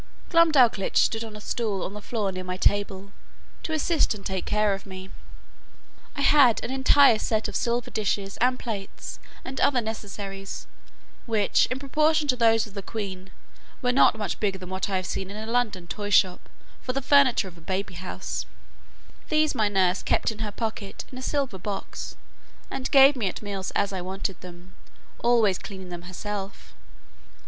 Glumdalclitch stood on a stool on the floor near my table, to assist and take care of me. I had an entire set of silver dishes and plates, and other necessaries, which, in proportion to those of the queen, were not much bigger than what I have seen in a London toy shop for the furniture of a baby house: these my little nurse kept in her pocket in a silver box, and gave me at meals as I wanted them, always cleaning them herself.